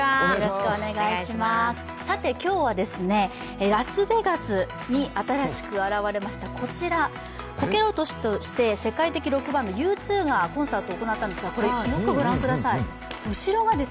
今日はラスベガスに新しく現れましたこちらこけら落としとして世界的ロックバンドＵ２がコンサートを行ったんですが、これ、よくご覧ください。